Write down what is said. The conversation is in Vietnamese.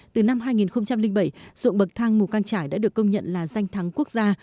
từ năm hai nghìn bảy dụng bậc thang mù căng trải đã được công nhận là danh thắng quốc gia